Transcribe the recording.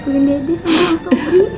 sobri dulu sama pak